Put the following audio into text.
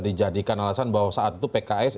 dijadikan alasan bahwa saat itu pks